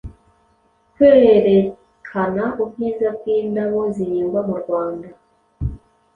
kwerekana ubwiza bw’indabo zihingwa mu Rwanda